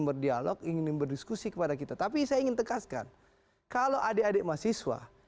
berdialog ingin berdiskusi kepada kita tapi saya ingin tegaskan kalau adik adik mahasiswa